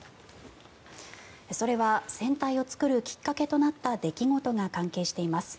それは戦隊を作るきっかけとなった出来事が関係しています。